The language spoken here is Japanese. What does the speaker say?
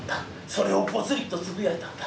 それをポツリとつぶやいたんだ。